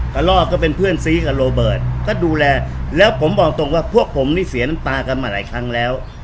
กระลอกก็เป็นเพื่อนซีกับโรเบิร์ตก็ดูแลแล้วผมบอกตรงว่าพวกผมนี่เสียน้ำตากันมาหลายครั้งแล้ว